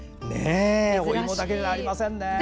お芋だけじゃありませんね。